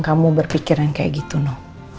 kamu berpikiran kayak gitu no